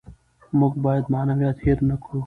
موږ باید معنویات هېر نکړو.